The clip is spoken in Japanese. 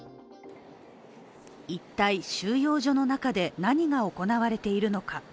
一体収容所の中で何が行われているのか。